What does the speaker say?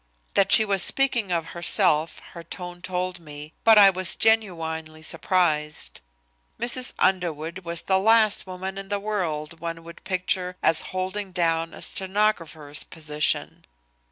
That she was speaking of herself her tone told me, but I was genuinely surprised. Mrs. Underwood was the last woman in the world one would picture as holding down a stenographer's position.